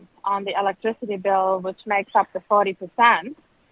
dan itu disebabkan beberapa alasan